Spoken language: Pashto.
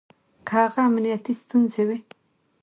که هغه امنيتي ستونزې وي